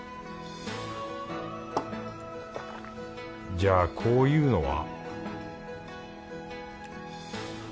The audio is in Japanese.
じゃあこういうのは